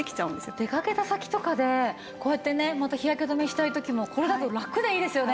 出かけた先とかでこうやってねまた日焼け止めしたい時もこれだとラクでいいですよね。